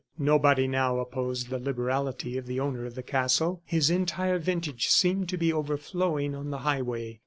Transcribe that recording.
Nobody now opposed the liberality of the owner of the castle. His entire vintage seemed to be overflowing on the highway.